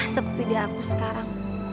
seperti dia aku sekarang